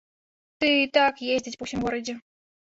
Тыя і так ездзяць па ўсім горадзе.